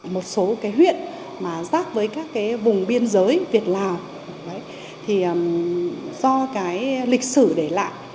một số huyện rác với các vùng biên giới việt lào do lịch sử để lại